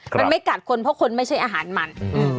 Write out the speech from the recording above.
มันไม่กัดคนเพราะคนไม่ใช่อาหารมัน